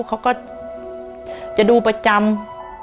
เขาก็จะดูประจำ